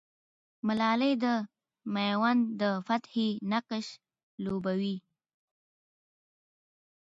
ملالۍ د مېوند د فتحې نقش لوبوي.